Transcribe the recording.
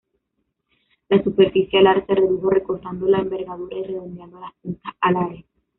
La superficie alar se redujo recortando la envergadura y redondeando las puntas alares.